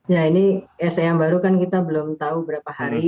ya ini se yang baru kan kita belum tahu berapa hari